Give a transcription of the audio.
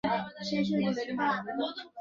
দেখবেন, বিড়ালের কথা আর শুনতে পাচ্ছেন না।